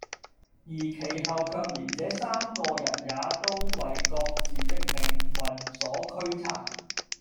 而其後卻連這三個人也都爲各自的運命所驅策，